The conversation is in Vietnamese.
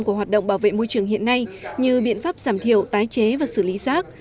của hoạt động bảo vệ môi trường hiện nay như biện pháp giảm thiểu tái chế và xử lý rác